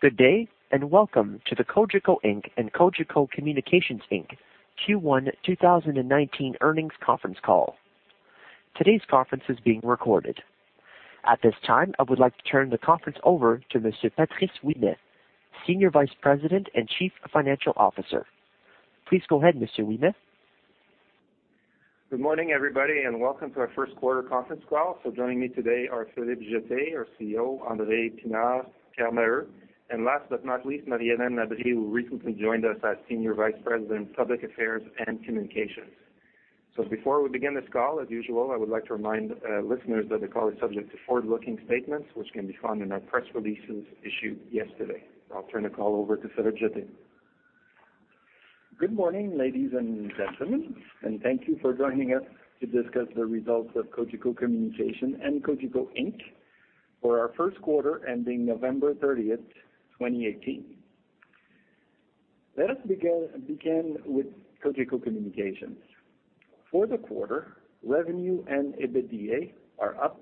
Good day. Welcome to the Cogeco Inc. and Cogeco Communications Inc. Q1 2019 earnings conference call. Today's conference is being recorded. At this time, I would like to turn the conference over to Mr. Patrice Ouimet, Senior Vice President and Chief Financial Officer. Please go ahead, Mr. Ouimet. Good morning, everybody. Welcome to our first quarter conference call. Joining me today are Philippe Jetté, our CEO, André Pinard, Pierre Maheux, and last but not least, Marie-Hélène Labrie, who recently joined us as Senior Vice President, Public Affairs and Communications. Before we begin this call, as usual, I would like to remind listeners that the call is subject to forward-looking statements, which can be found in our press releases issued yesterday. I'll turn the call over to Philippe Jetté. Good morning, ladies and gentlemen. Thank you for joining us to discuss the results of Cogeco Communications and Cogeco Inc. for our first quarter ending November 30th, 2018. Let us begin with Cogeco Communications. For the quarter, revenue and EBITDA are up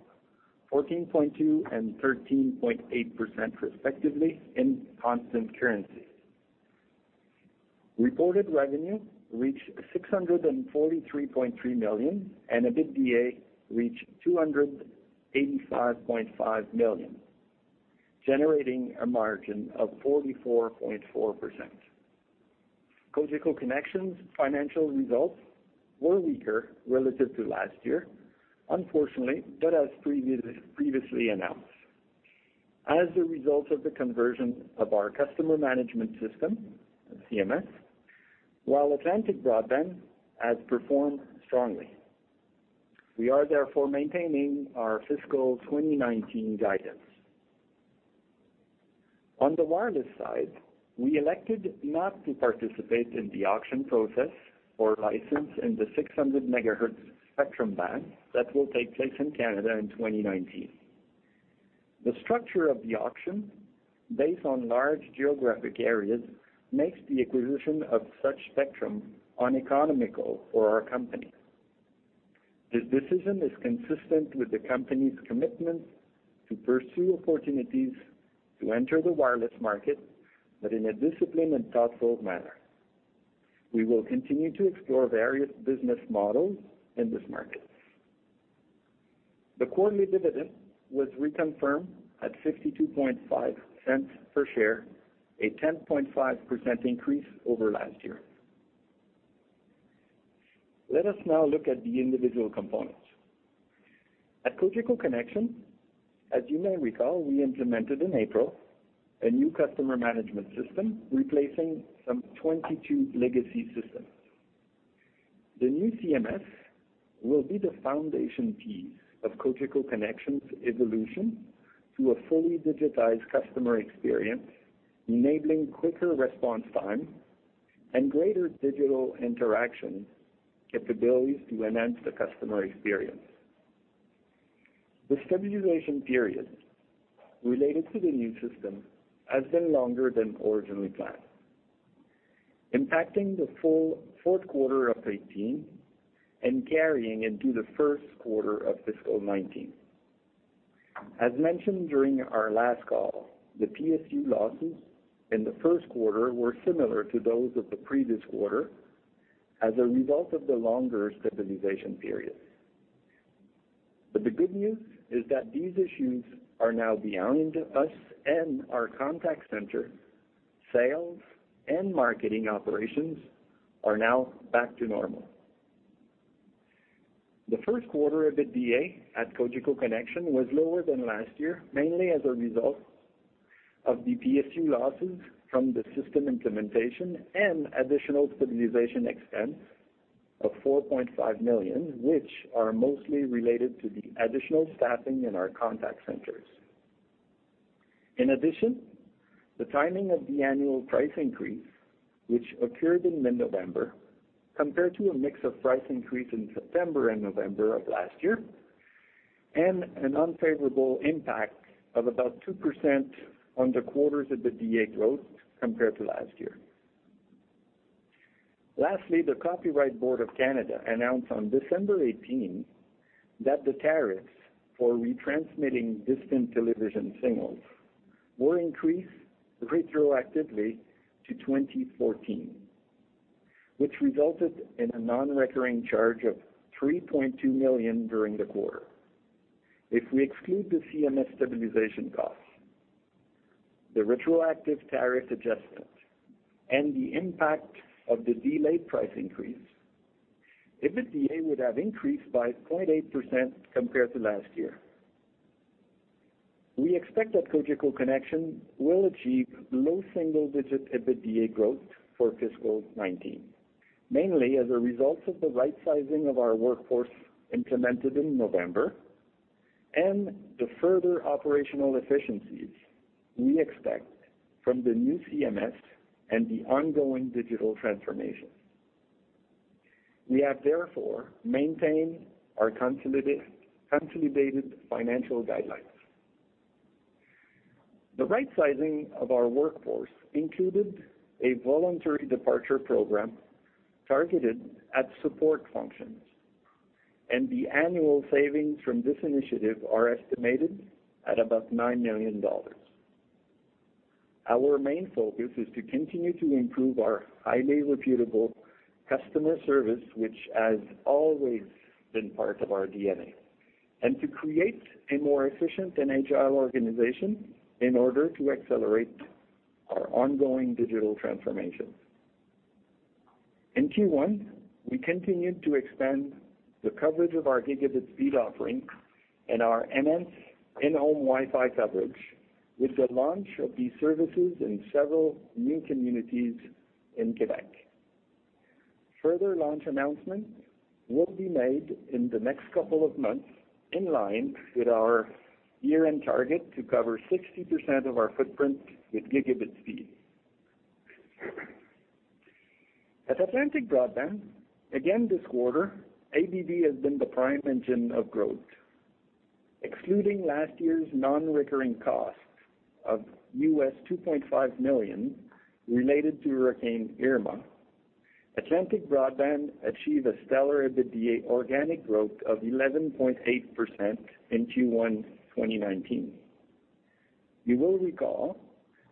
14.2% and 13.8% respectively in constant currency. Reported revenue reached 643.3 million, and EBITDA reached 285.5 million, generating a margin of 44.4%. Cogeco Connexion's financial results were weaker relative to last year, unfortunately, but as previously announced, as a result of the conversion of our customer management system, the CMS, while Atlantic Broadband has performed strongly. We are therefore maintaining our fiscal 2019 guidance. On the wireless side, we elected not to participate in the auction process or license in the 600 MHz spectrum band that will take place in Canada in 2019. The structure of the auction, based on large geographic areas, makes the acquisition of such spectrum uneconomical for our company. This decision is consistent with the company's commitment to pursue opportunities to enter the wireless market, in a disciplined and thoughtful manner. We will continue to explore various business models in this market. The quarterly dividend was reconfirmed at 0.625 per share, a 10.5% increase over last year. Let us now look at the individual components. At Cogeco Connexion, as you may recall, we implemented in April a new customer management system replacing some 22 legacy systems. The new CMS will be the foundation piece of Cogeco Connexion's evolution to a fully digitized customer experience, enabling quicker response time and greater digital interaction capabilities to enhance the customer experience. The stabilization period related to the new system has been longer than originally planned, impacting the full fourth quarter of 2018 and carrying into the first quarter of fiscal 2019. As mentioned during our last call, the PSU losses in the first quarter were similar to those of the previous quarter as a result of the longer stabilization period. The good news is that these issues are now behind us, and our contact center, sales, and marketing operations are now back to normal. The first quarter EBITDA at Cogeco Connexion was lower than last year, mainly as a result of the PSU losses from the system implementation and additional stabilization expense of 4.5 million, which are mostly related to the additional staffing in our contact centers. The timing of the annual price increase, which occurred in mid-November, compared to a mix of price increase in September and November of last year, and an unfavorable impact of about 2% on the quarter's EBITDA growth compared to last year. Lastly, the Copyright Board of Canada announced on December 18 that the tariffs for retransmitting distant television signals will increase retroactively to 2014, which resulted in a non-recurring charge of 3.2 million during the quarter. If we exclude the CMS stabilization costs, the retroactive tariff adjustment, and the impact of the delayed price increase, EBITDA would have increased by 0.8% compared to last year. We expect that Cogeco Connexion will achieve low single-digit EBITDA growth for fiscal 2019, mainly as a result of the right-sizing of our workforce implemented in November and the further operational efficiencies we expect from the new CMS and the ongoing digital transformation. We have maintained our consolidated financial guidelines. The right-sizing of our workforce included a voluntary departure program targeted at support functions, and the annual savings from this initiative are estimated at about 9 million dollars. Our main focus is to continue to improve our highly reputable customer service, which has always been part of our DNA, and to create a more efficient and agile organization in order to accelerate our ongoing digital transformation. In Q1, we continued to expand the coverage of our gigabit speed offerings and our enhanced in-home Wi-Fi coverage with the launch of these services in several new communities in Quebec. Further launch announcements will be made in the next couple of months, in line with our year-end target to cover 60% of our footprint with gigabit speed. At Atlantic Broadband, again, this quarter, ABB has been the prime engine of growth. Excluding last year's non-recurring costs of $2.5 million related to Hurricane Irma, Atlantic Broadband achieved a stellar EBITDA organic growth of 11.8% in Q1 2019. You will recall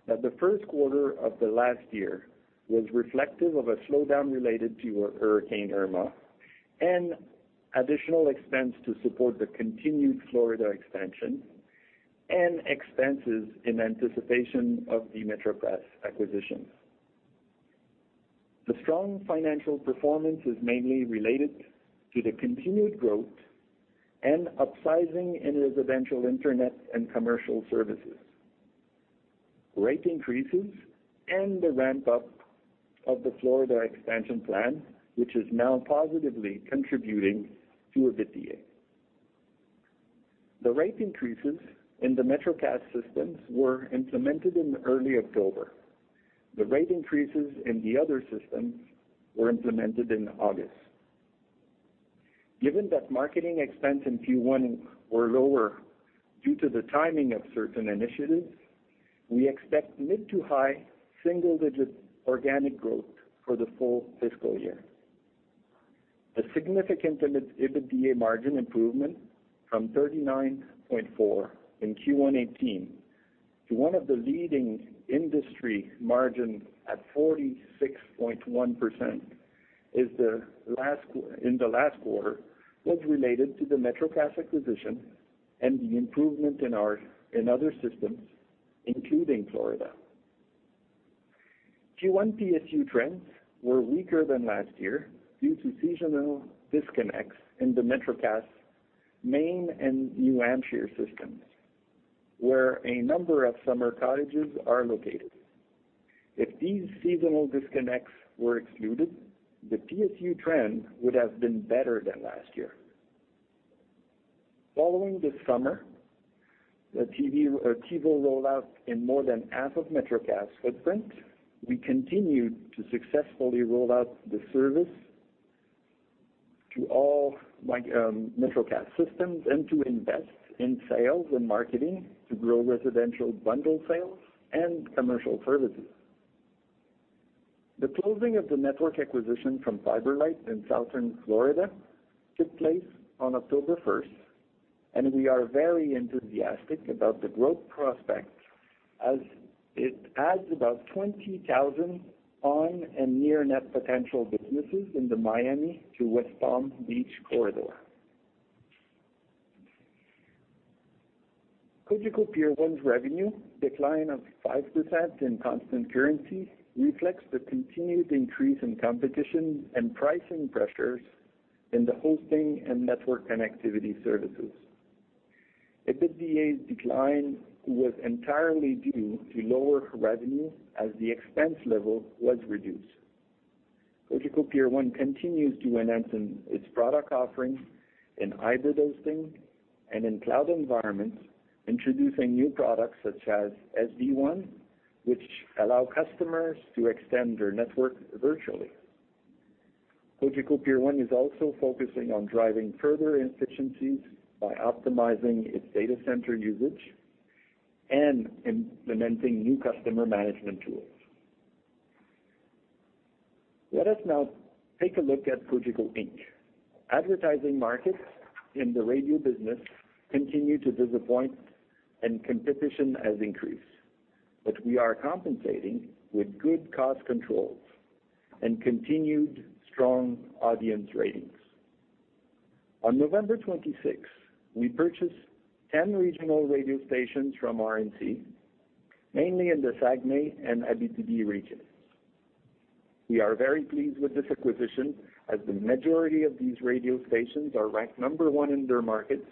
that the first quarter of the last year was reflective of a slowdown related to Hurricane Irma and additional expense to support the continued Florida expansion and expenses in anticipation of the MetroCast acquisition. The strong financial performance is mainly related to the continued growth and upsizing in residential internet and commercial services, rate increases, and the ramp-up of the Florida expansion plan, which is now positively contributing to EBITDA. The rate increases in the MetroCast systems were implemented in early October. The rate increases in the other systems were implemented in August. Given that marketing expense in Q1 were lower due to the timing of certain initiatives, we expect mid-to-high single-digit organic growth for the full fiscal year. A significant EBITDA margin improvement from 39.4% in Q1 2018 to one of the leading industry margins at 46.1% in the last quarter was related to the MetroCast acquisition and the improvement in other systems, including Florida. Q1 PSU trends were weaker than last year due to seasonal disconnects in the MetroCast Maine and New Hampshire systems, where a number of summer cottages are located. If these seasonal disconnects were excluded, the PSU trend would have been better than last year. Following this summer, the TV rollout in more than half of MetroCast's footprint, we continued to successfully roll out the service to all MetroCast systems and to invest in sales and marketing to grow residential bundle sales and commercial services. The closing of the network acquisition from FiberLight in southern Florida took place on October 1st, and we are very enthusiastic about the growth prospects as it adds about 20,000 on and near net potential businesses in the Miami to West Palm Beach corridor. Cogeco Peer 1's revenue decline of 5% in constant currency reflects the continued increase in competition and pricing pressures in the hosting and network connectivity services. EBITDA's decline was entirely due to lower revenue as the expense level was reduced. Cogeco Peer 1 continues to enhance its product offerings in hybrid hosting and in cloud environments, introducing new products such as SV1, which allow customers to extend their network virtually. Cogeco Peer 1 is also focusing on driving further efficiencies by optimizing its data center usage and implementing new customer management tools. Let us now take a look at Cogeco Inc. Advertising markets in the radio business continue to disappoint and competition has increased, but we are compensating with good cost controls and continued strong audience ratings. On November 26th, we purchased 10 regional radio stations from RNC, mainly in the Saguenay and Abitibi regions. We are very pleased with this acquisition, as the majority of these radio stations are ranked number one in their markets,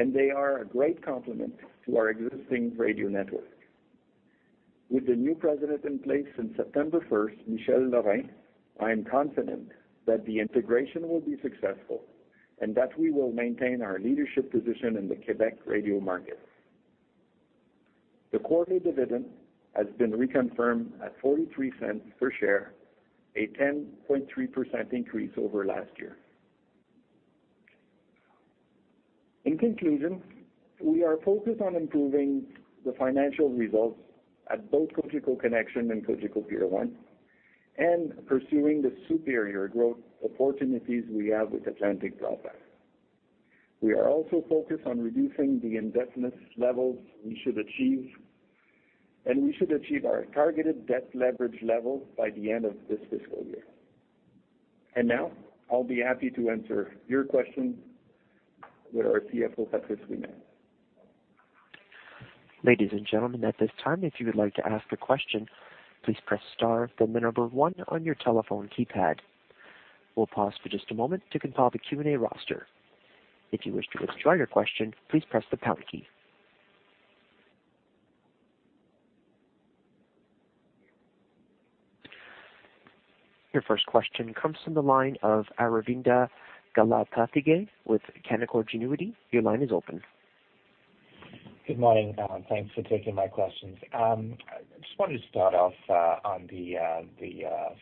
and they are a great complement to our existing radio network. With the new president in place since September 1st, Michel Lorrain, I am confident that the integration will be successful and that we will maintain our leadership position in the Quebec radio market. The quarterly dividend has been reconfirmed at 0.43 per share, a 10.3% increase over last year. In conclusion, we are focused on improving the financial results at both Cogeco Connexion and Cogeco Peer 1, and pursuing the superior growth opportunities we have with Atlantic Broadband. We are also focused on reducing the indebtedness levels we should achieve, and we should achieve our targeted debt leverage level by the end of this fiscal year. Now I'll be happy to answer your questions with our CFO, Patrice Ouimet. Ladies and gentlemen, at this time, if you would like to ask a question, please press star, then the number one on your telephone keypad. We'll pause for just a moment to compile the Q&A roster. If you wish to withdraw your question, please press the pound key. Your first question comes from the line of Aravinda Galappatthige with Canaccord Genuity. Your line is open. Good morning. Thanks for taking my questions. I just wanted to start off on the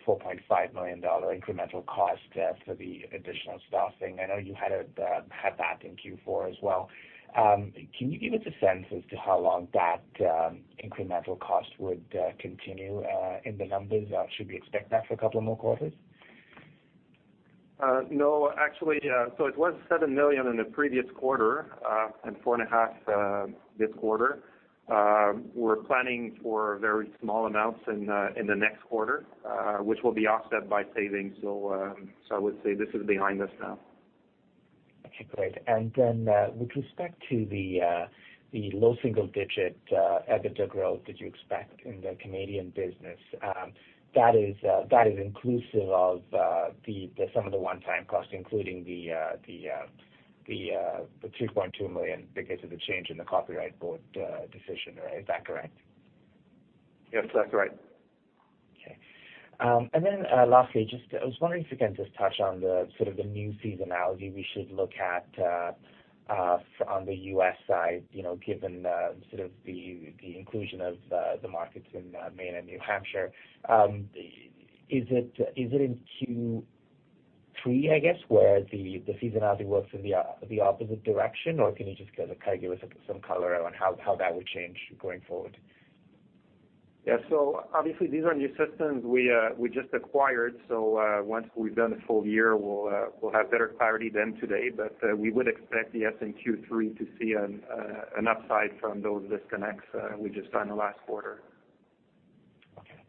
4.5 million dollar incremental cost for the additional staffing. I know you had that in Q4 as well. Can you give us a sense as to how long that incremental cost would continue in the numbers? Should we expect that for a couple of more quarters? No, actually. It was 7 million in the previous quarter, and 4.5 million this quarter. We're planning for very small amounts in the next quarter, which will be offset by savings. I would say this is behind us now. Okay, great. With respect to the low single-digit EBITDA growth that you expect in the Canadian business, that is inclusive of the sum of the one-time cost, including the 2.2 million because of the change in the Copyright Board decision, is that correct? Yes, that is correct. Okay. Lastly, I was wondering if you can just touch on the new seasonality we should look at on the U.S. side, given the inclusion of the markets in Maine and New Hampshire. Is it in Q3, I guess, where the seasonality works in the opposite direction, or can you just kind of give us some color on how that would change going forward? Yeah. Obviously these are new systems we just acquired. Once we have done a full year, we will have better clarity than today, but we would expect, yes, in Q3 to see an upside from those disconnects we just signed the last quarter. Okay.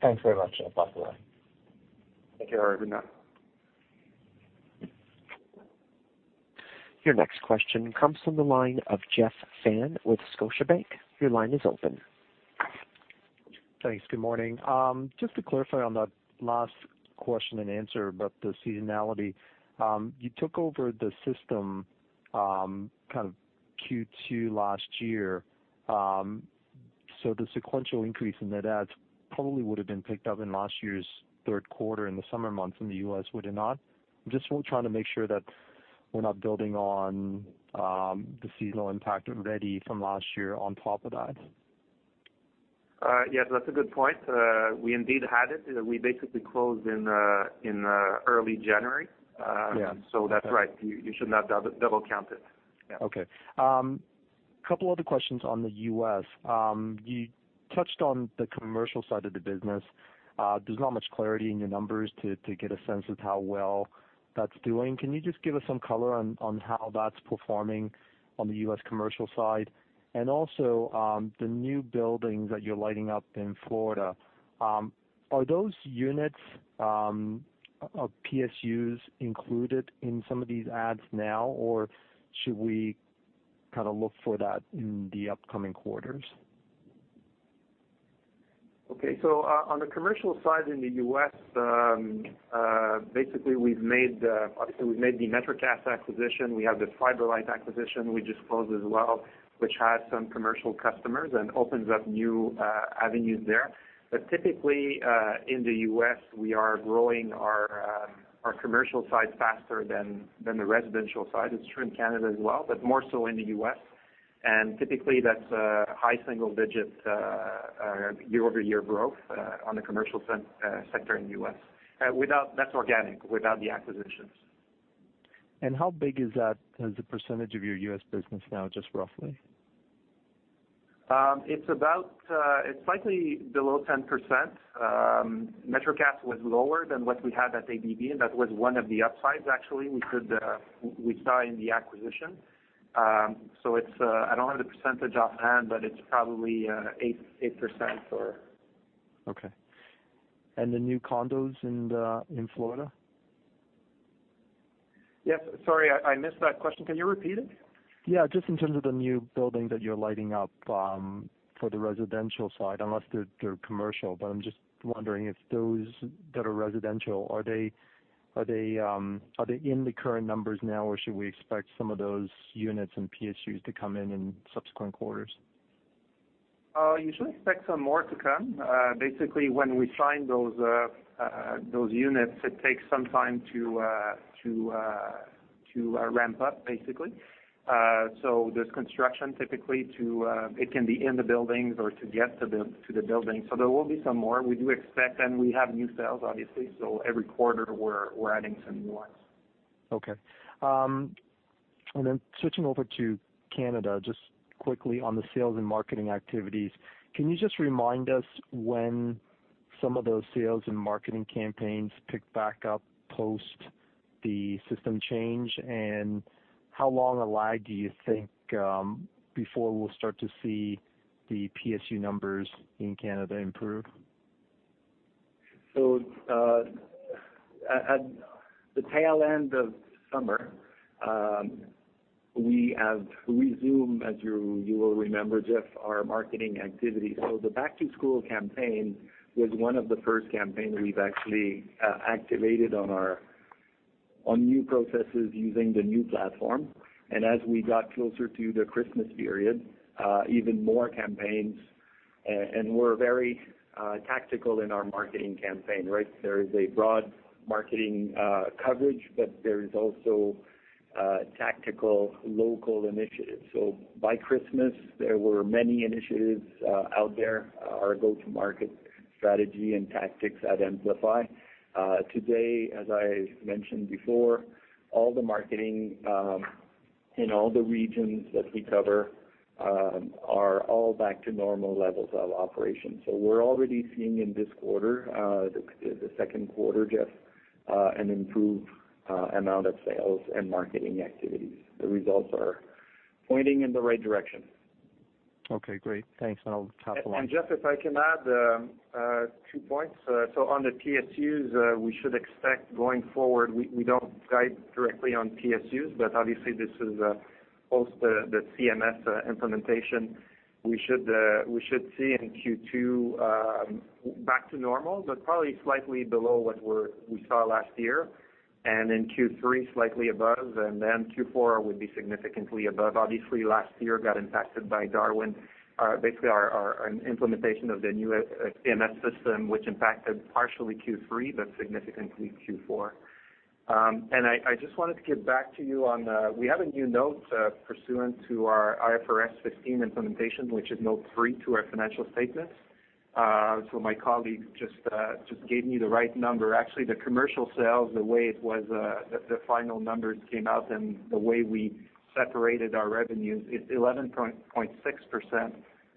Thanks very much. I'll park away. Thank you, Aravinda. Your next question comes from the line of Jeff Fan with Scotiabank. Your line is open. Thanks. Good morning. Just to clarify on the last question and answer about the seasonality. You took over the system kind of Q2 last year. The sequential increase in net adds probably would have been picked up in last year's third quarter in the summer months in the U.S., would it not? I'm just trying to make sure that we're not building on the seasonal impact already from last year on top of that. Yeah, that's a good point. We indeed had it. We basically closed in early January. Yeah. That's right. You should not double count it. Yeah. Okay. Couple other questions on the U.S. You touched on the commercial side of the business. There's not much clarity in your numbers to get a sense of how well that's doing. Can you just give us some color on how that's performing on the U.S. commercial side? The new buildings that you're lighting up in Florida, are those units of PSUs included in some of these adds now, or should we look for that in the upcoming quarters? Okay. On the commercial side in the U.S., basically we've made the MetroCast acquisition. We have this FiberLight acquisition we just closed as well, which has some commercial customers and opens up new avenues there. Typically, in the U.S., we are growing our commercial side faster than the residential side. It's true in Canada as well, but more so in the U.S. Typically, that's a high single-digit year-over-year growth on the commercial sector in the U.S. That's organic, without the acquisitions. How big is that as a percentage of your U.S. business now, just roughly? It's slightly below 10%. MetroCast was lower than what we had at ABB, and that was one of the upsides actually, we saw in the acquisition. I don't have the percentage offhand, but it's probably 8%. Okay. The new condos in Florida? Yes, sorry, I missed that question. Can you repeat it? Yeah. Just in terms of the new building that you're lighting up for the residential side, unless they're commercial, but I'm just wondering if those that are residential, are they in the current numbers now, or should we expect some of those units and PSUs to come in in subsequent quarters? You should expect some more to come. Basically, when we sign those units, it takes some time to ramp up. There's construction typically to get to the building. There will be some more. We do expect, and we have new sales, obviously, every quarter we're adding some new ones. Okay. Switching over to Canada, just quickly on the sales and marketing activities, can you just remind us when some of those sales and marketing campaigns pick back up post the system change? How long a lag do you think before we'll start to see the PSU numbers in Canada improve? At the tail end of summer, we have resumed, as you will remember, Jeff, our marketing activity. The back-to-school campaign was one of the first campaign we've actually activated on new processes using the new platform. As we got closer to the Christmas period, even more campaigns. We're very tactical in our marketing campaign, right? There is a broad marketing coverage, but there is also tactical local initiatives. By Christmas, there were many initiatives out there, our go-to-market strategy and tactics at Amplify. Today, as I mentioned before, all the marketing in all the regions that we cover are all back to normal levels of operation. We're already seeing in this quarter, the second quarter, Jeff, an improved amount of sales and marketing activities. The results are pointing in the right direction. Okay, great. Thanks. Jeff, if I can add two points. On the PSUs, we should expect going forward, we don't guide directly on PSUs, but obviously this is post the CMS implementation. We should see in Q2 back to normal, but probably slightly below what we saw last year, and in Q3 slightly above, and then Q4 would be significantly above. Obviously, last year got impacted by Darwin. Basically, our implementation of the new CMS system, which impacted partially Q3, but significantly Q4. I just wanted to get back to you. We have a new note pursuant to our IFRS 15 implementation, which is Note three to our financial statements. My colleague just gave me the right number. Actually, the commercial sales, the way it was, the final numbers came out and the way we separated our revenues, it's 11.6%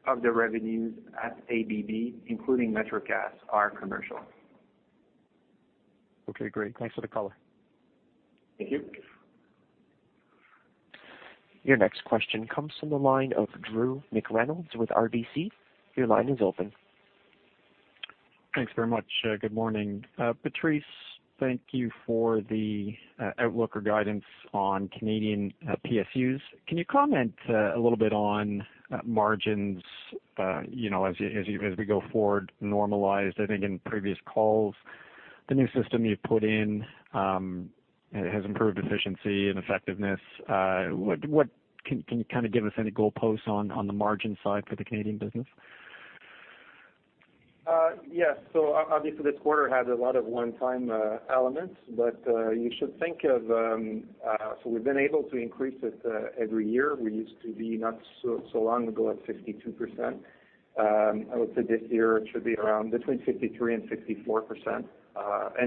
of the revenues at ABB, including MetroCast, are commercial. Okay, great. Thanks for the color. Thank you. Your next question comes from the line of Drew McReynolds with RBC. Your line is open. Thanks very much. Good morning. Patrice, thank you for the outlook or guidance on Canadian PSUs. Can you comment a little bit on margins as we go forward normalized? I think in previous calls, the new system you've put in has improved efficiency and effectiveness. Can you give us any goalposts on the margin side for the Canadian business? Yes. Obviously, this quarter has a lot of one-time elements. We've been able to increase it every year. We used to be, not so long ago, at 62%. I would say this year it should be around between 53% and 54%.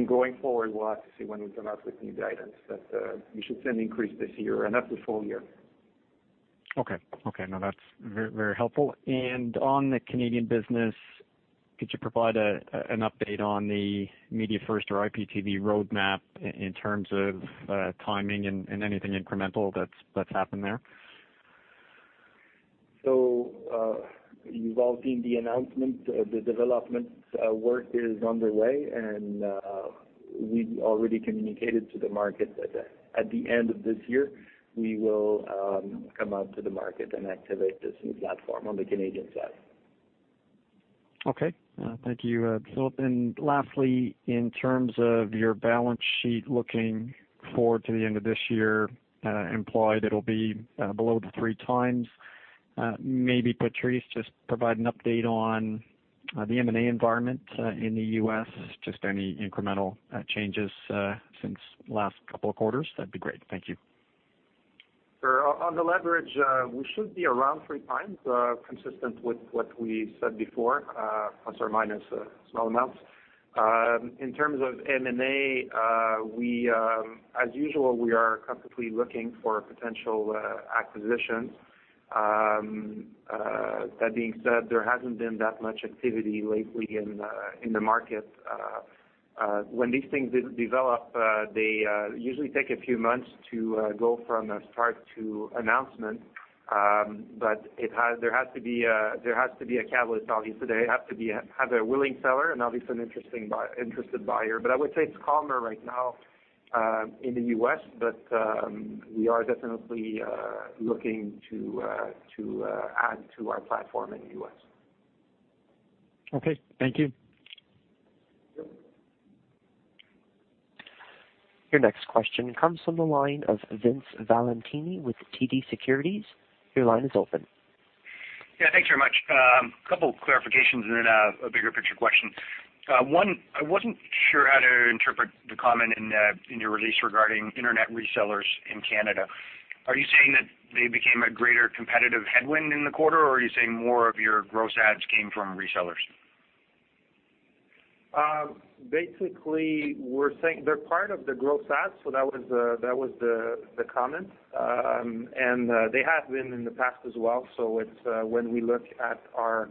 Going forward, we'll have to see when we come out with new guidance, but you should see an increase this year and that's the full year. That's very helpful. On the Canadian business, could you provide an update on the MediaFirst or IPTV roadmap in terms of timing and anything incremental that's happened there? You've all seen the announcement. The development work is underway, and we already communicated to the market that at the end of this year, we will come out to the market and activate this new platform on the Canadian side. Thank you, Philippe. Lastly, in terms of your balance sheet looking forward to the end of this year, implied it'll be below the three times. Maybe Patrice, just provide an update on the M&A environment in the U.S., just any incremental changes since last couple of quarters, that'd be great. Thank you. Sure. On the leverage, we should be around three times, consistent with what we said before, plus or minus small amounts. In terms of M&A, as usual, we are constantly looking for potential acquisitions. That being said, there hasn't been that much activity lately in the market. When these things develop, they usually take a few months to go from start to announcement. There has to be a catalyst, obviously. They have to have a willing seller and obviously an interested buyer. I would say it's calmer right now in the U.S., but we are definitely looking to add to our platform in the U.S. Okay. Thank you. Your next question comes from the line of Vince Valentini with TD Securities. Your line is open. Yeah, thanks very much. A couple clarifications and then a bigger picture question. One, I wasn't sure how to interpret the comment in your release regarding internet resellers in Canada. Are you saying that they became a greater competitive headwind in the quarter, or are you saying more of your gross adds came from resellers? Basically, we're saying they're part of the gross adds, so that was the comment. They have been in the past as well. When we look at our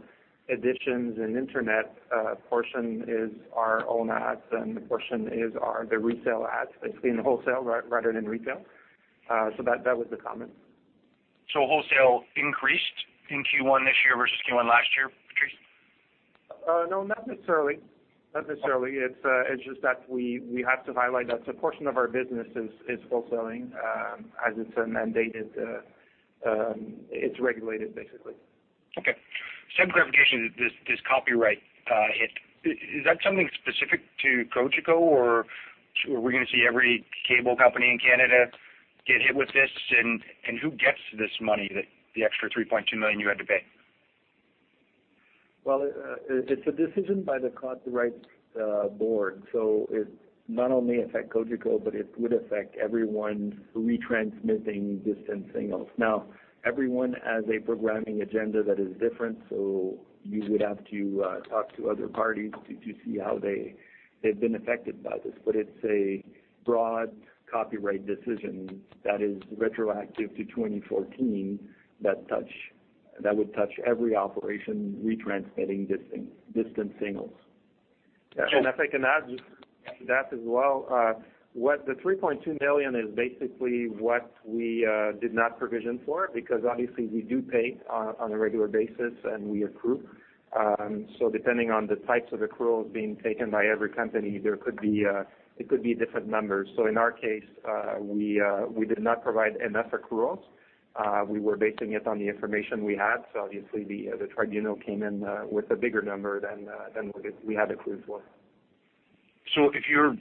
additions and internet portion is our own adds, and the portion is the resale adds between wholesale rather than retail. That was the comment. Wholesale increased in Q1 this year versus Q1 last year, Patrice? No, not necessarily. It's just that we have to highlight that a portion of our business is wholesaling, as it's mandated. It's regulated, basically. Some clarification, this copyright hit. Is that something specific to Cogeco, or are we going to see every cable company in Canada get hit with this? Who gets this money, the extra 3.2 million you had to pay? It's a decision by the Copyright Board, so it not only affect Cogeco, but it would affect everyone retransmitting distant signals. Everyone has a programming agenda that is different. You would have to talk to other parties to see how they've been affected by this. It's a broad copyright decision that is retroactive to 2014 that would touch every operation retransmitting distant signals. If I can add to that as well, the 3.2 million is basically what we did not provision for, because obviously we do pay on a regular basis, and we accrue. Depending on the types of accruals being taken by every company, it could be different numbers. In our case, we did not provide enough accruals. We were basing it on the information we had, obviously the tribunal came in with a bigger number than what we had accrued for. If you're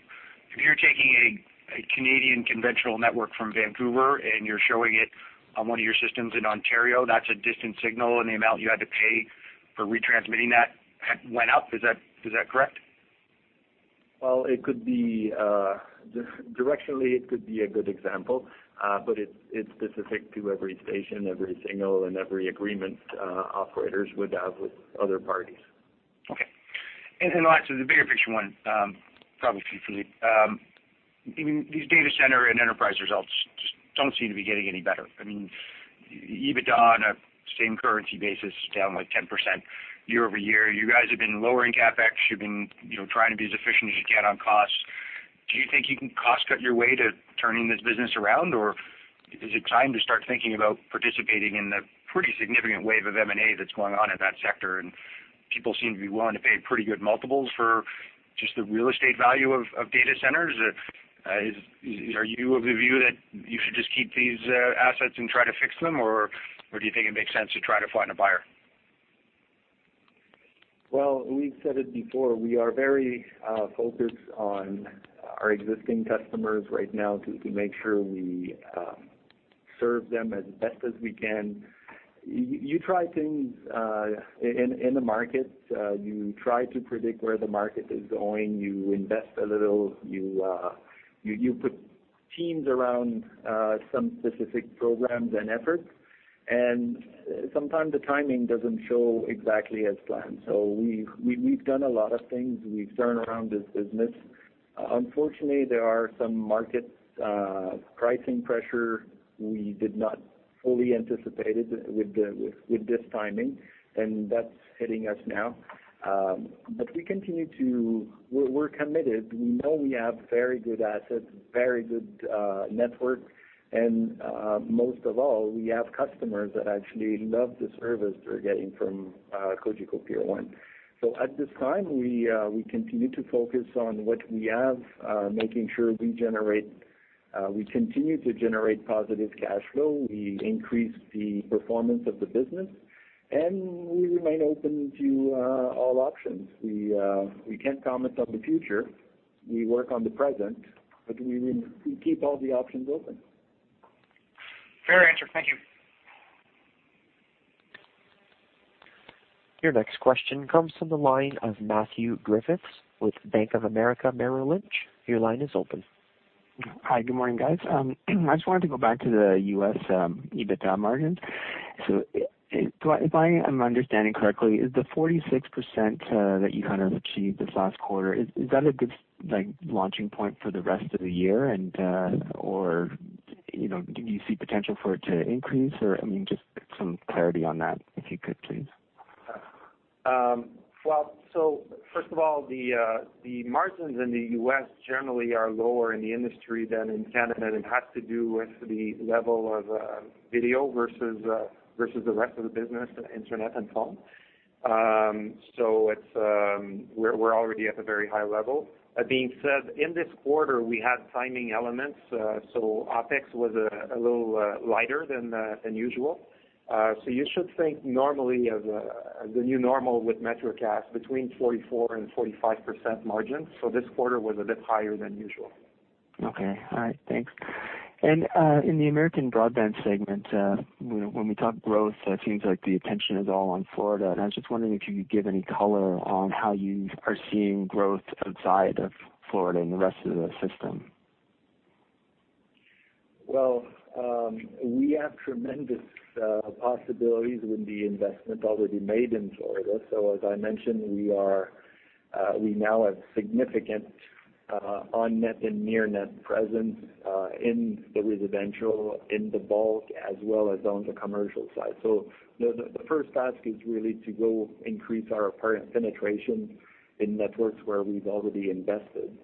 taking a Canadian conventional network from Vancouver and you're showing it on one of your systems in Ontario, that's a distant signal and the amount you had to pay for retransmitting that went up. Is that correct? Well, directionally it could be a good example, but it's specific to every station, every signal, and every agreement operators would have with other parties. Okay. Lastly, the bigger picture one, probably for Philippe. These data center and enterprise results just don't seem to be getting any better. I mean, EBITDA on a same currency basis is down like 10% year-over-year. You guys have been lowering CapEx. You've been trying to be as efficient as you can on costs. Do you think you can cost-cut your way to turning this business around, or is it time to start thinking about participating in the pretty significant wave of M&A that's going on in that sector? People seem to be willing to pay pretty good multiples for just the real estate value of data centers. Are you of the view that you should just keep these assets and try to fix them, or do you think it makes sense to try to find a buyer? We've said it before. We are very focused on our existing customers right now to make sure we serve them as best as we can. You try things in the market. You try to predict where the market is going. You invest a little. You put teams around some specific programs and efforts, and sometimes the timing doesn't show exactly as planned. We've done a lot of things. We've turned around this business. Unfortunately, there are some market pricing pressure we did not fully anticipate with this timing, and that's hitting us now. We're committed. We know we have very good assets, very good network, and most of all, we have customers that actually love the service they're getting from Cogeco Peer 1. At this time, we continue to focus on what we have, making sure we continue to generate positive cash flow. We increase the performance of the business. We remain open to all options. We can't comment on the future. We work on the present. We keep all the options open. Fair answer. Thank you. Your next question comes from the line of Matthew Griffiths with Bank of America Merrill Lynch. Your line is open. Hi. Good morning, guys. I just wanted to go back to the U.S. EBITDA margins. If I am understanding correctly, is the 46% that you achieved this last quarter, is that a good launching point for the rest of the year? Or do you see potential for it to increase? I mean, just some clarity on that, if you could, please. First of all, the margins in the U.S. generally are lower in the industry than in Canada, and it has to do with the level of video versus the rest of the business, internet and phone. We're already at a very high level. That being said, in this quarter, we had timing elements, OpEx was a little lighter than usual. You should think normally of the new normal with MetroCast between 44% and 45% margins. This quarter was a bit higher than usual. Okay. All right. Thanks. In the American broadband segment, when we talk growth, it seems like the attention is all on Florida, and I was just wondering if you could give any color on how you are seeing growth outside of Florida in the rest of the system. We have tremendous possibilities with the investment already made in Florida. As I mentioned, we now have significant on-net and near-net presence in the residential, in the bulk, as well as on the commercial side. The first task is really to go increase our apparent penetration in networks where we've already invested.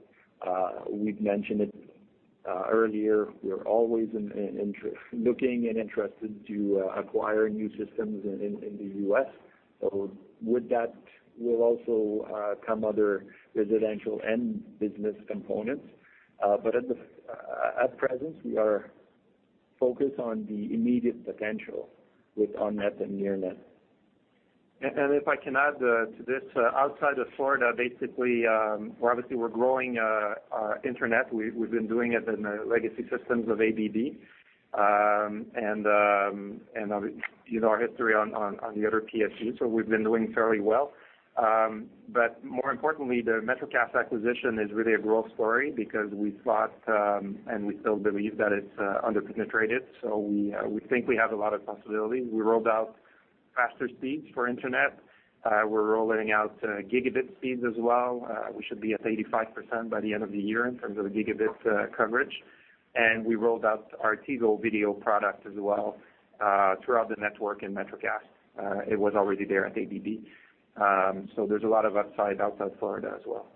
We've mentioned it earlier. We're always looking and interested to acquire new systems in the U.S. With that will also come other residential and business components. At present, we are focused on the immediate potential with on-net and near-net. If I can add to this, outside of Florida, basically, obviously we're growing our internet. We've been doing it in the legacy systems of ABB. You know our history on the other PSUs, so we've been doing fairly well. More importantly, the MetroCast acquisition is really a growth story because we thought, and we still believe that it's under-penetrated, so we think we have a lot of possibility. We rolled out faster speeds for internet. We're rolling out gigabit speeds as well. We should be at 85% by the end of the year in terms of the gigabit coverage. We rolled out our TiVo video product as well throughout the network in MetroCast. It was already there at ABB. There's a lot of upside outside Florida as well.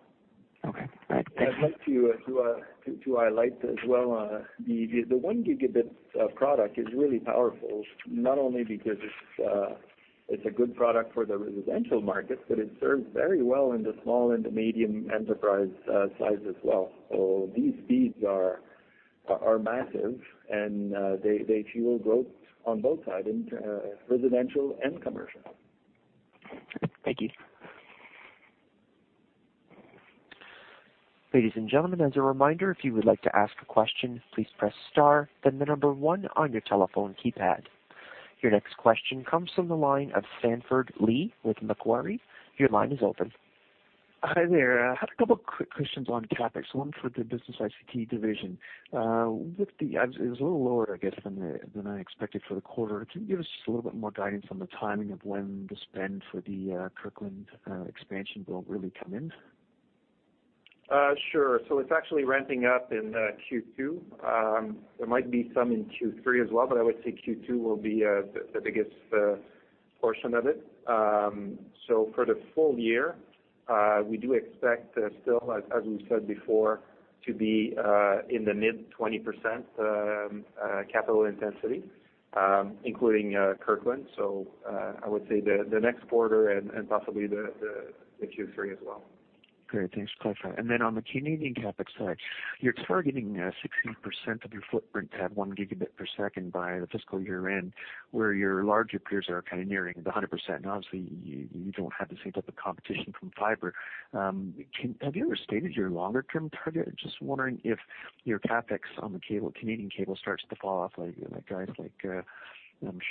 Okay. All right. Thanks. I'd like to highlight as well, the 1 Gb product is really powerful, not only because it's a good product for the residential market, but it serves very well in the small and the medium enterprise size as well. These speeds are massive, and they fuel growth on both sides, in residential and commercial. Thank you. Ladies and gentlemen, as a reminder, if you would like to ask a question, please press star, then the number one on your telephone keypad. Your next question comes from the line of Sanford Lee with Macquarie. Your line is open. Hi there. I have a couple quick questions on CapEx, one for the business ICT division. It was a little lower, I guess, than I expected for the quarter. Can you give us just a little bit more guidance on the timing of when the spend for the Kirkland expansion will really come in? Sure. It's actually ramping up in Q2. There might be some in Q3 as well, but I would say Q2 will be the biggest portion of it. For the full year, we do expect still, as we've said before, to be in the mid-20% capital intensity, including Kirkland. I would say the next quarter and possibly the Q3 as well. Great. Thanks for clarifying. On the Canadian CapEx side, you're targeting 60% of your footprint to have 1 Gb per second by the fiscal year-end, where your larger peers are nearing the 100%. Obviously, you don't have the same type of competition from fiber. Have you ever stated your longer-term target? Just wondering if your CapEx on the Canadian cable starts to fall off like guys like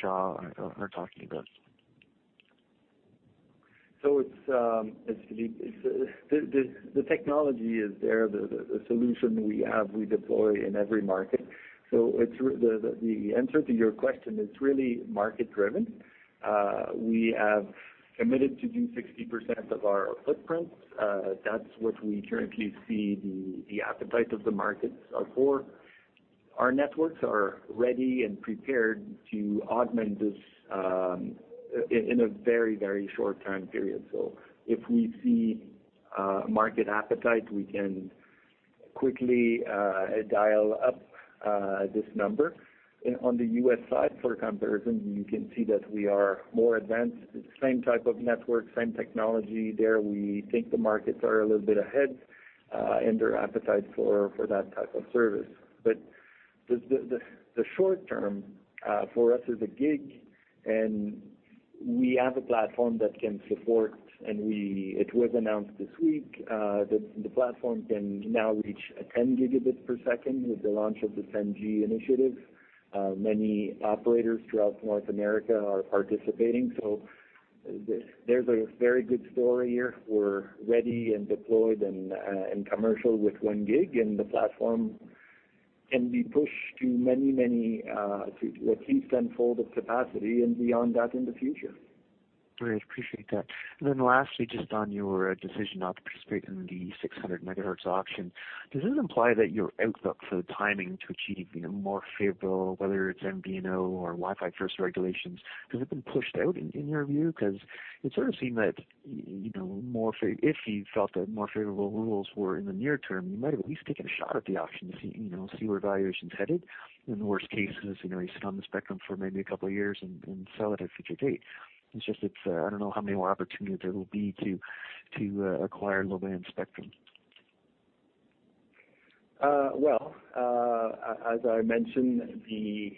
Shaw are talking about. The technology is there. The solution we have, we deploy in every market. The answer to your question, it's really market-driven. We have committed to do 60% of our footprint. That's what we currently see the appetite of the markets are for. Our networks are ready and prepared to augment this in a very short time period. If we see market appetite, we can quickly dial up this number. On the U.S. side, for comparison, you can see that we are more advanced. It's the same type of network, same technology there. We think the markets are a little bit ahead in their appetite for that type of service. The short term for us is a gig, and we have a platform that can support, and it was announced this week, that the platform can now reach 10 Gb per second with the launch of the 10G initiative. Many operators throughout North America are participating. There's a very good story here. We're ready and deployed and commercial with 1 gig, and the platform can be pushed to many, at least tenfold of capacity and beyond that in the future. Great. Appreciate that. Lastly, just on your decision not to participate in the 600 MHz auction, does this imply that you're out for the timing to achieve more favorable, whether it's MVNO or Wi-Fi first regulations? Has it been pushed out in your view? Because it sort of seemed that if you felt that more favorable rules were in the near term, you might have at least taken a shot at the auction to see where valuation's headed. In the worst cases, you sit on the spectrum for maybe a couple of years and sell it at a future date. It's just that I don't know how many more opportunities there will be to acquire low-band spectrum. As I mentioned, the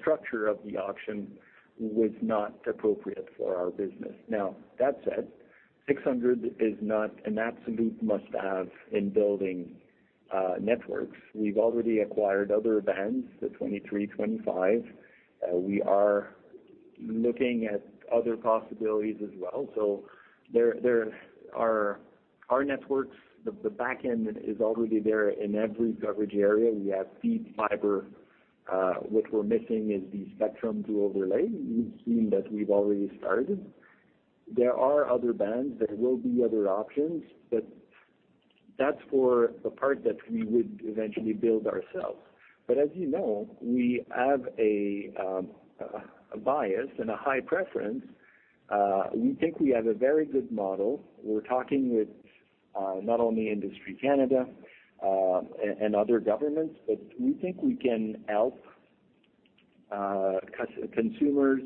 structure of the auction was not appropriate for our business. Now, that said, 600 is not an absolute must-have in building networks. We've already acquired other bands, the 23, 25. We are looking at other possibilities as well. Our networks, the back end is already there in every coverage area. We have feed fiber. What we're missing is the spectrum to overlay. You've seen that we've already started. There are other bands, there will be other options, but that's for the part that we would eventually build ourselves. As you know, we have a bias and a high preference. We think we have a very good model. We're talking with not only Industry Canada, and other governments, but we think we can help consumers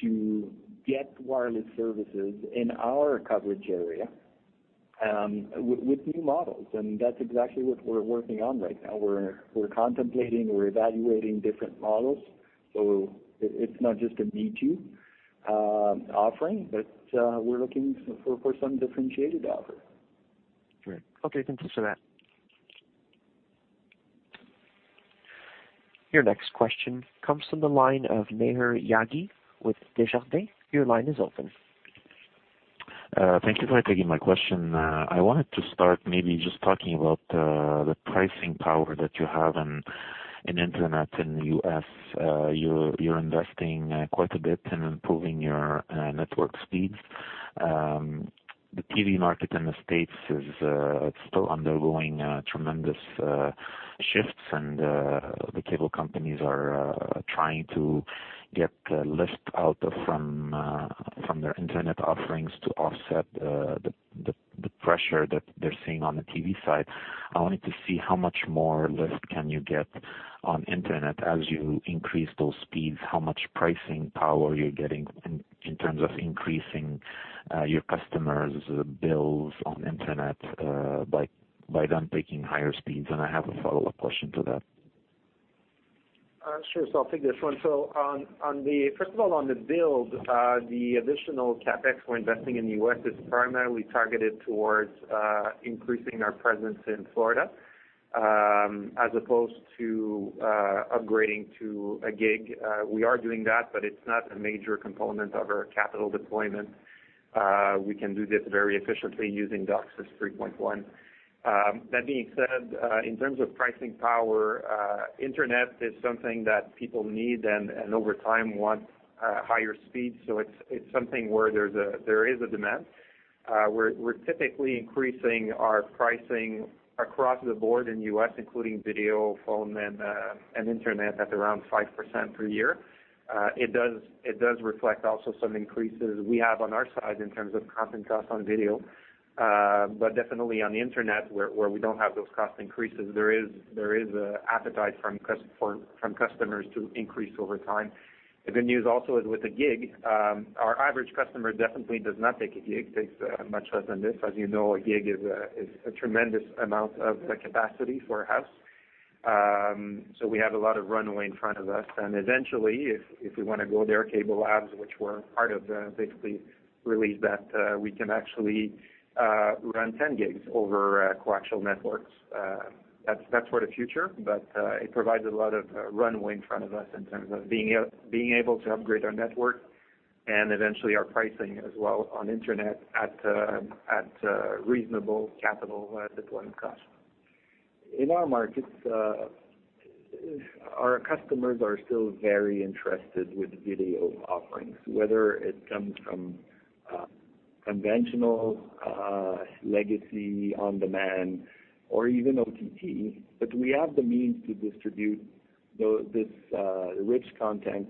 to get wireless services in our coverage area with new models. That's exactly what we're working on right now. We're contemplating, we're evaluating different models. It's not just a me-too offering, but we're looking for some differentiated offer. Great. Okay. Thanks for that. Your next question comes from the line of Maher Yaghi with Desjardins. Your line is open. Thank you for taking my question. I wanted to start maybe just talking about the pricing power that you have in Internet in the U.S. You're investing quite a bit in improving your network speeds. The TV market in the States is still undergoing tremendous shifts, the cable companies are trying to get lift out from their Internet offerings to offset the pressure that they're seeing on the TV side. I wanted to see how much more lift can you get on Internet as you increase those speeds, how much pricing power you're getting in terms of increasing your customers' bills on Internet by them taking higher speeds. I have a follow-up question to that. Sure. I'll take this one. First of all, on the build, the additional CapEx we're investing in the U.S. is primarily targeted towards increasing our presence in Florida, as opposed to upgrading to a gig. We are doing that, but it's not a major component of our capital deployment. We can do this very efficiently using DOCSIS 3.1. That being said, in terms of pricing power, Internet is something that people need and over time want higher speeds. It's something where there is a demand. We're typically increasing our pricing across the board in U.S., including video, phone, and Internet at around 5% per year. It does reflect also some increases we have on our side in terms of content cost on video. Definitely on the Internet, where we don't have those cost increases, there is appetite from customers to increase over time. The good news also is with the gig, our average customer definitely does not take a gig, takes much less than this. As you know, a gig is a tremendous amount of capacity for a house. We have a lot of runway in front of us. Eventually, if we want to go there, CableLabs, which were part of basically release that we can actually run 10 gigs over coaxial networks. That's for the future, but it provides a lot of runway in front of us in terms of being able to upgrade our network and eventually our pricing as well on internet at reasonable capital deployment cost. In our markets, our customers are still very interested with video offerings, whether it comes from conventional, legacy, on-demand, or even OTT. We have the means to distribute this rich content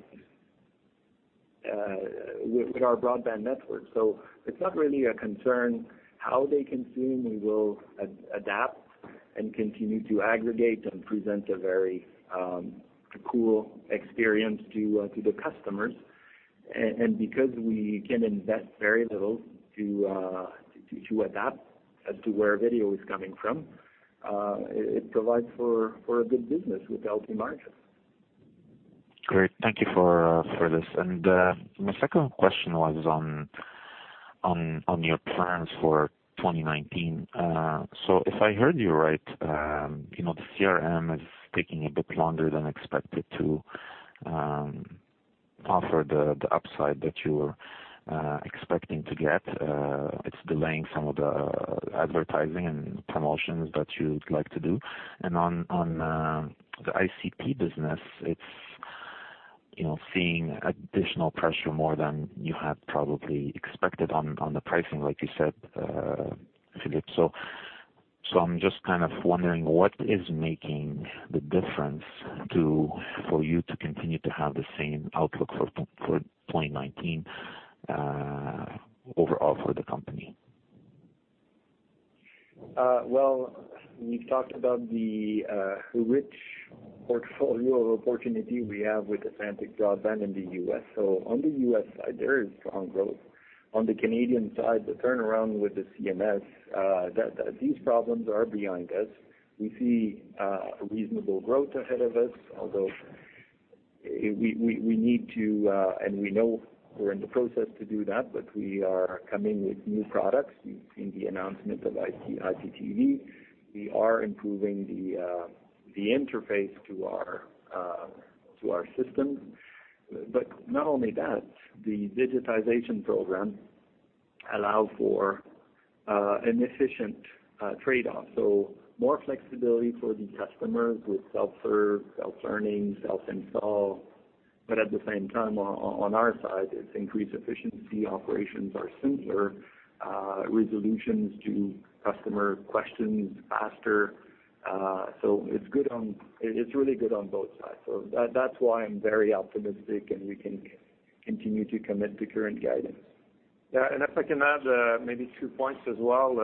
with our broadband network. It's not really a concern how they consume. We will adapt and continue to aggregate and present a very cool experience to the customers. Because we can invest very little to adapt as to where video is coming from, it provides for a good business with healthy margins. Great. Thank you for this. My second question was on your plans for 2019. If I heard you right, the CMS is taking a bit longer than expected to offer the upside that you were expecting to get. It's delaying some of the advertising and promotions that you'd like to do. On the ICT business, it's seeing additional pressure more than you had probably expected on the pricing, like you said, Philippe. I'm just wondering what is making the difference for you to continue to have the same outlook for 2019 overall for the company? We've talked about the rich portfolio of opportunity we have with Atlantic Broadband in the U.S. On the U.S. side, there is strong growth. On the Canadian side, the turnaround with the CMS, these problems are behind us. We see a reasonable growth ahead of us, although we need to. We know we're in the process to do that. We are coming with new products. You've seen the announcement of IPTV. We are improving the interface to our systems. Not only that, the digitization program allow for an efficient trade-off. More flexibility for the customers with self-serve, self-learning, self-install. At the same time, on our side, it's increased efficiency, operations are simpler, resolutions to customer questions faster. It's really good on both sides. That's why I'm very optimistic, and we can continue to commit to current guidance. If I can add maybe two points as well.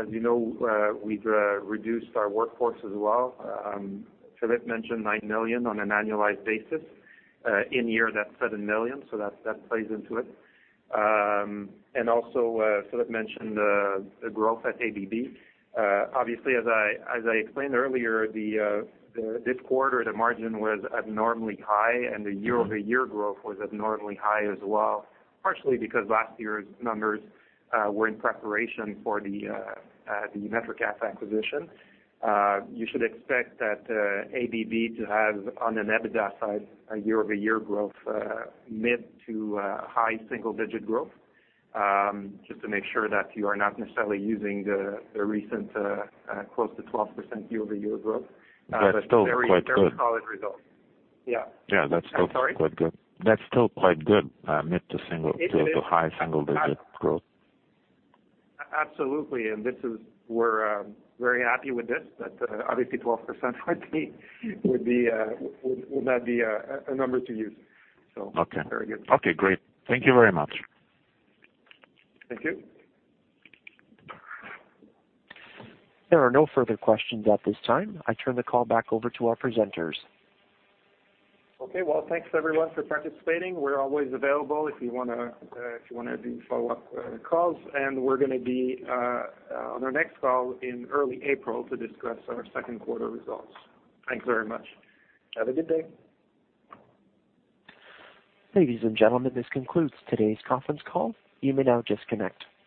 As you know, we've reduced our workforce as well. Philippe mentioned 9 million on an annualized basis. In year, that's 7 million. That plays into it. Also, Philippe mentioned the growth at ABB. Obviously as I explained earlier, this quarter, the margin was abnormally high, and the year-over-year growth was abnormally high as well. Partially because last year's numbers were in preparation for the MetroCast acquisition. You should expect that ABB to have, on an EBITDA side, a year-over-year growth, mid to high single-digit growth. Just to make sure that you are not necessarily using the recent close to 12% year-over-year growth. That's still quite good. Very solid results. Yeah, that's still quite good. I'm sorry? That's still quite good, mid to high single digit growth. Absolutely. We're very happy with this, but obviously 12% would not be a number to use. Very good. Okay, great. Thank you very much. Thank you. There are no further questions at this time. I turn the call back over to our presenters. Okay. Well, thanks everyone for participating. We are always available if you want to do follow-up calls. We are going to be on our next call in early April to discuss our second quarter results. Thanks very much. Have a good day. Ladies and gentlemen, this concludes today's conference call. You may now disconnect.